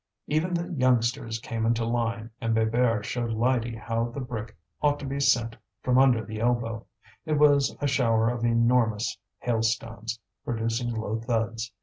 Even the youngsters came into line, and Bébert showed Lydie how the brick ought to be sent from under the elbow. It was a shower of enormous hailstones, producing low thuds.